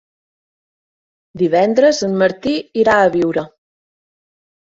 Divendres en Martí irà a Biure.